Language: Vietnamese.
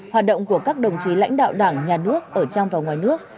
hoạt động của các đồng chí lãnh đạo đảng nhà nước ở trong và ngoài nước